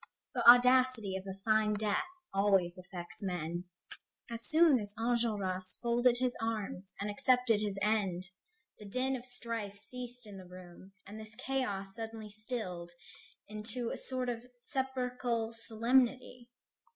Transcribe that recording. The audacity of a fine death always affects men. As soon as Enjolras folded his arms and accepted his end, the din of strife ceased in the room, and this chaos suddenly stilled into a sort of sepulchral solemnity.